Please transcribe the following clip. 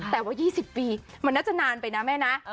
แต่ว่า๒๐ปีมันน่าจะนานไปนะแม่นะ